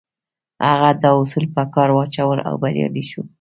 هغه دا اصول په کار واچول او بريالی شو.